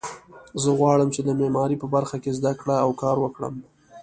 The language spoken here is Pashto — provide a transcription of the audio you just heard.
زه غواړم چې د معماري په برخه کې زده کړه او کار وکړم